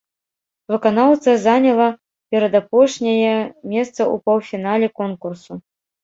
Выканаўца заняла перадапошняе месца ў паўфінале конкурсу.